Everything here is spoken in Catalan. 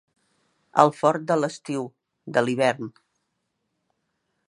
El fort de l'estiu, de l'hivern.